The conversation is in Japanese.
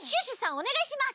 おねがいします。